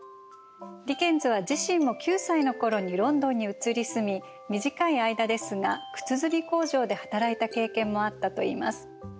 ディケンズは自身も９歳の頃にロンドンに移り住み短い間ですが靴墨工場で働いた経験もあったといいます。